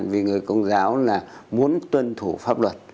vì người công giáo là muốn tuân thủ pháp luật